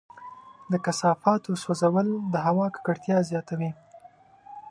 د کثافاتو سوځول د هوا ککړتیا زیاته کوي.